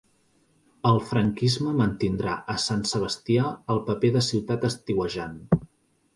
El franquisme mantindrà a Sant Sebastià el paper de ciutat estiuejant.